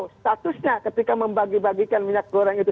statusnya ketika membagi bagikan minyak goreng itu